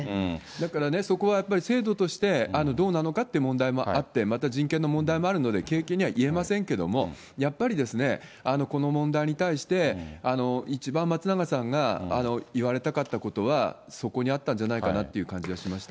だからね、そこはやっぱり制度として、どうなのかって問題もあって、また人権の問題もあるので軽々には言えませんけども、やっぱりですね、この問題に対して、一番松永さんが言われたかったことは、そこにあったんじゃないかなって感じはしました。